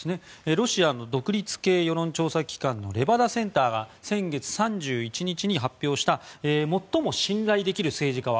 ロシアの独立系世論調査機関のレバダ・センターが先月３１日に発表した最も信頼できる政治家は。